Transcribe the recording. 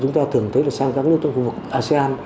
chúng ta thường thấy là sang các nước trong khu vực asean